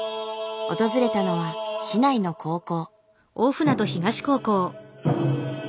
訪れたのは市内の高校。